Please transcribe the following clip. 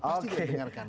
pasti tidak didengarkan